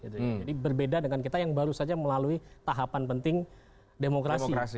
jadi berbeda dengan kita yang baru saja melalui tahapan penting demokrasi